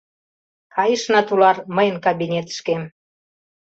— Кайышна, тулар, мыйын кабинетышкем.